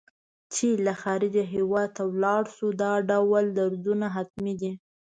چې له خارجه هېواد ته ولاړ شو دا ډول دردونه حتمي دي.